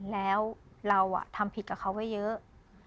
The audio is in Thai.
แล้วเราทำผิดกับเขาไว้เยอะ